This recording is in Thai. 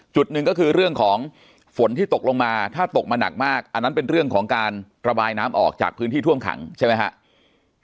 จุดหนึ่งก็คือเรื่องของฝนที่ตกลงมาถ้าตกมาหนักมากอันนั้นเป็นเรื่องของการระบายน้ำออกจากพื้นที่ท่วมขังใช่ไหมครับ